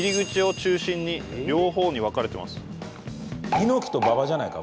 猪木と馬場じゃないか？